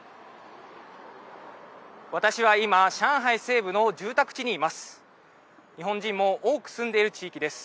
私は今、上海西部の住宅地にいます。